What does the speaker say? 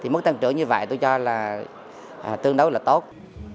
mức tăng trưởng như vậy tôi cho là tương đối là tốt